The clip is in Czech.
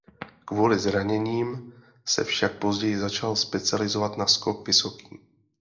Kvůli zraněním se však později začal specializovat na skok vysoký.